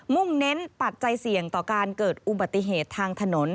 ่งเน้นปัจจัยเสี่ยงต่อการเกิดอุบัติเหตุทางถนน